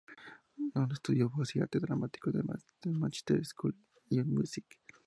Noone estudió voz y arte dramático en la Manchester School of Music.